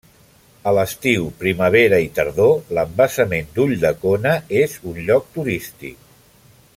A l'estiu, primavera i tardor l'embassament d'Ulldecona és un lloc turístic.